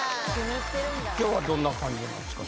今日はどんな感じなんですか？